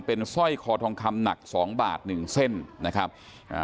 เป็นสร้อยคอทองคำหนักสองบาทหนึ่งเส้นนะครับอ่า